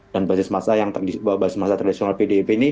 dan basis masa yang tradisional pdip ini tidak akan menang